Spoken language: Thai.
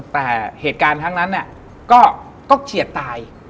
แต่เหตุการณ์ทั้งนั้นก็เฉียดตาย